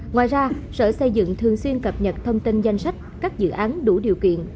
ngoài ra sở xây dựng thường xuyên cập nhật thông tin danh sách các dự án đủ điều kiện